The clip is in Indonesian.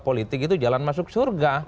politik itu jalan masuk surga